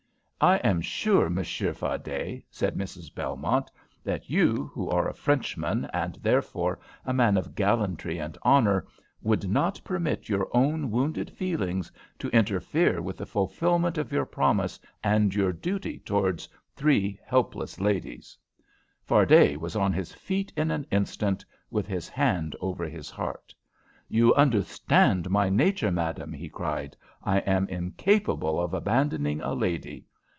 "I am sure, Monsieur Fardet," said Mrs. Belmont, "that you, who are a Frenchman, and therefore a man of gallantry and honour, would not permit your own wounded feelings to interfere with the fulfilment of your promise and your duty towards three helpless ladies." Fardet was on his feet in an instant, with his hand over his heart. "You understand my nature, madame," he cried. "I am incapable of abandoning a lady.